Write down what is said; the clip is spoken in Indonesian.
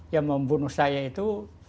yang membunuh saya itu